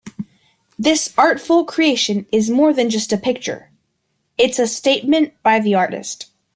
This artful creation is more than just a picture, it's a statement by the artist.